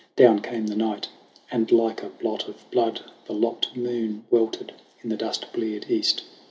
Down came the night, and like a blot of blood The lopped moon weltered in the dust bleared East.